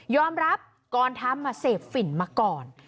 รับก่อนทำเสพฝิ่นมาก่อน